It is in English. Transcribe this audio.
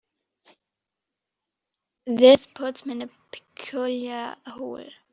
This puts me in a peculiar hole.